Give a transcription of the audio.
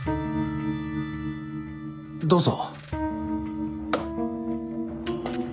どうぞ。